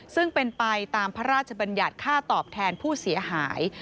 ซึ่งเป็นไปตามพระราชบัญญัติค่าตอบแทนผู้เสียหาย